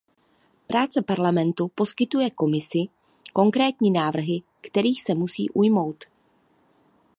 Práce Parlamentu poskytuje Komisi konkrétní návrhy, kterých se musí ujmout.